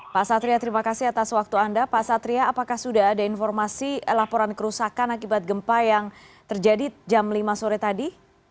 pak satria terima kasih atas waktu anda pak satria apakah sudah ada informasi laporan kerusakan akibat gempa yang terjadi jam lima sore tadi